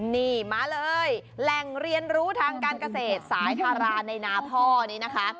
นี่มาเลยแหล่งเรียนรู้ทางการเกษตรสายทาราในนาท่อนี้นะคะ